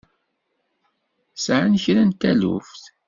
Sɛan kra n taluft?